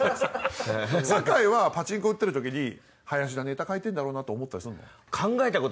酒井はパチンコ打ってるときに林田ネタ書いてんだろうなと思ったりするの？